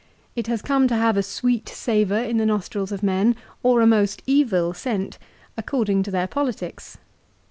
It has come to have a sweet savour in the nostrils of men, or a most evil scent, according to their politics.